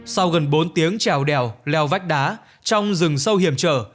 sau gần bốn tiếng trèo đèo leo vách đá trong rừng sâu hiểm trở